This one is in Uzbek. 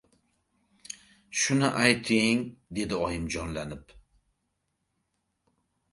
— Shuni ayting, — dedi oyim jonlanib.